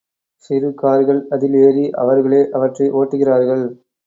சிறு கார்கள் அதில் ஏறி அவர்களே அவற்றை ஓட்டுகிறார்கள்.